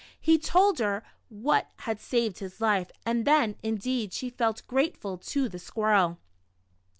He told her what had saved his life, and then, indeed, she felt grateful to the squirrel.